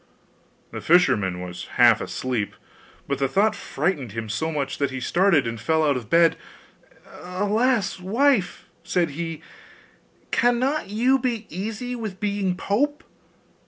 The fisherman was half asleep, but the thought frightened him so much that he started and fell out of bed. 'Alas, wife!' said he, 'cannot you be easy with being pope?